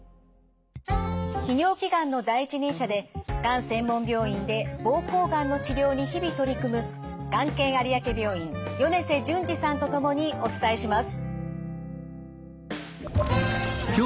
泌尿器がんの第一人者でがん専門病院で膀胱がんの治療に日々取り組むがん研有明病院米瀬淳二さんと共にお伝えします。